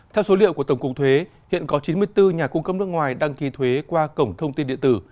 theo số liệu của tổng cục thuế hiện có chín mươi bốn nhà cung cấp nước ngoài đăng ký thuế qua cổng thông tin điện tử